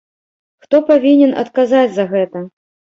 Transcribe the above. Хто павінен адказаць за гэта?